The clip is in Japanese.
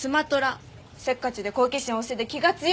せっかちで好奇心旺盛で気が強い魚。